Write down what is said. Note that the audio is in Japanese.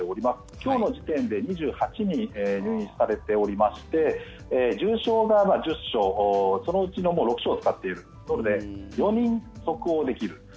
今日の時点で２８人入院されていて重症が１０床そのうちの６床使っているので４人即応できる。